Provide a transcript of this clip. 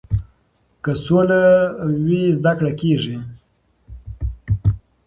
که سوله وي زده کړه کیږي.